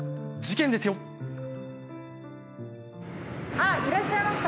あっいらっしゃいました。